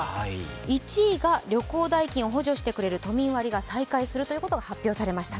１位が旅行代金を補助してくれる都民割が再開するということが発表されました。